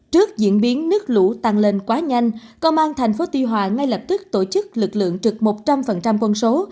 trước diễn biến nước lũ tăng lên quá nhanh công an thành phố tuy hòa ngay lập tức tổ chức lực lượng trực một trăm linh quân số